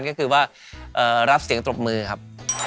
ก็คือว่ารับเสียงตรบมือครับ